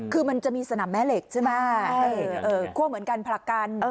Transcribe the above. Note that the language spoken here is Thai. คือมันจะมีสนามแม่เหล็กใช่ไหมคั่วเหมือนกันผลักกัน